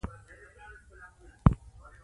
ناسم اعلان پیرودونکي غولوي.